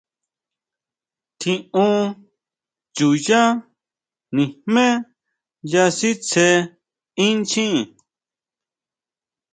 Tjiún chuyá nijmé nya sitsé inchjín.